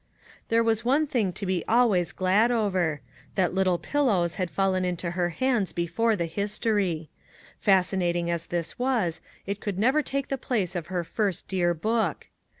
There was one thing to be always glad over ; that " Little Pillows " had fallen into her hands before the history. Fascinating as this was, it could never take the place of her first dear book.